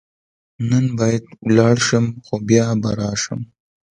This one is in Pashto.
نن باید ولاړ شم، خو بیا به راشم.